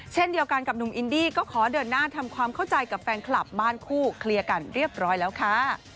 เช่นเดียวกันกับหนุ่มอินดี้ก็ขอเดินหน้าทำความเข้าใจกับแฟนคลับบ้านคู่เคลียร์กันเรียบร้อยแล้วค่ะ